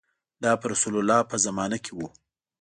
دا په رسول الله په زمانه کې و.